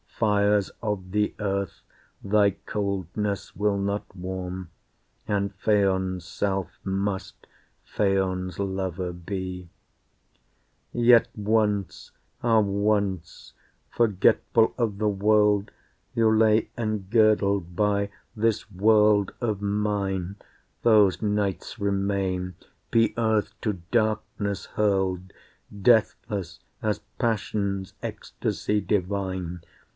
Fires of the earth thy coldness will not warm, And Phaon's self must Phaon's lover be. Yet once, ah once! forgetful of the world, You lay engirdled by this world of mine, Those nights remain, be earth to darkness hurled, Deathless, as passion's ecstasy divine.